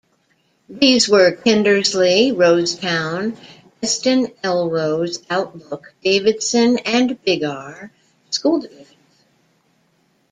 These were Kindersley, Rosetown, Eston-Elrose, Outlook, Davidson and Biggar School Divisions.